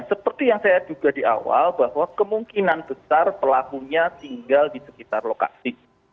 seperti yang saya duga di awal bahwa kemungkinan besar pelakunya tinggal di sekitar lokasi